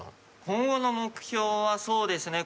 今後の目標はそうですね